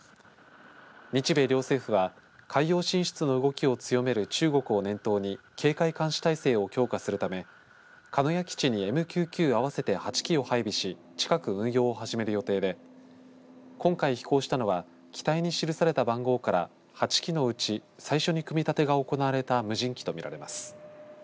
日米両政府は海洋進出の動きを強める中国を念頭に警戒監視態勢を強化するため鹿屋基地にＭＱ９合わせて８機を配備し近く運用を始める予定で今回飛行したのは機体に記された番号から８機のうち最初に組み立てが行われた無人機と見られます。